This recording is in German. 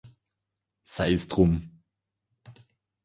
Sei’s drum.